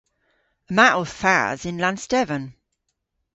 Yma ow thas yn Lannstevan.